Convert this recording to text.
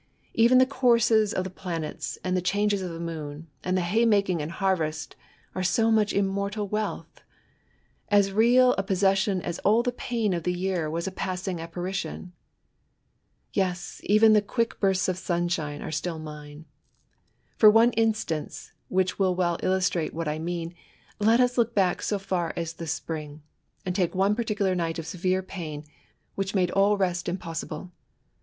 Even the courses of the planets, and the changes of the moon, and the hay making and harvest, are so much immortal wealth — as real a possession as all the pain of the year was a passing apparition. Yes, even the quick bursts of sunshine are still mine. Por one instance, which will well illustrate what I mean, let us look back so far as the Spring, and take one particular night of severe pain, which made all rest inlpossible.